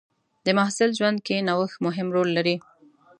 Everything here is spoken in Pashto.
د محصل ژوند کې نوښت مهم رول لري.